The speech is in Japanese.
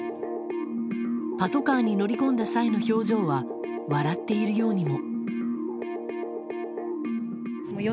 パトカーに乗り込んだ際の表情は笑っているようにも。